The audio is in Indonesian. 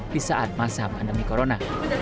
di saat masa pandemi corona